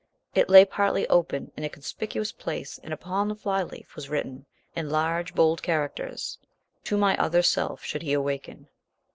It lay partly open in a conspicuous place, and upon the fly leaf was written, in large, bold characters, "To my Other Self, should he awaken."